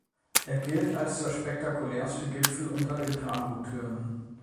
Er gilt als der spektakulärste Gipfel unter den Trango-Türmen.